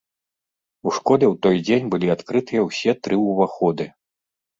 У школе ў той дзень былі адкрытыя ўсе тры ўваходы.